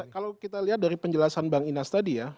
kalau kita lihat dari penjelasan bang inas tadi ya